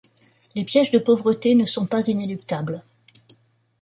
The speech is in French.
Les pièges de pauvreté ne sont pas inéluctables.